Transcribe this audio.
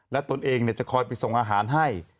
และตนเองจะคอยไปส่งอาหารให้